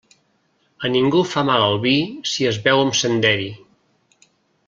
A ningú fa mal el vi si es beu amb senderi.